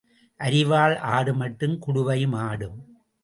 அரிவாள் ஆடுமட்டும் குடுவையும் ஆடும்.